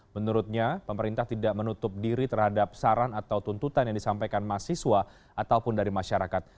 menurutnya pemerintah tidak menutup diri terhadap saran atau tuntutan yang disampaikan mahasiswa ataupun dari masyarakat